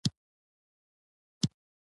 زمین د کشش مرکز دی.